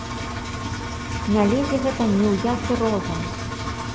Не лезе гэта ні ў які розум!